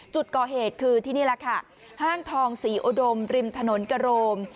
จุดก่อเหตุคือที่นี่แหละค่ะห้างทองศรีอุดมริมถนนกะโรม